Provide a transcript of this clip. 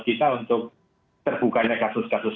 kita untuk terbukanya kasus kasus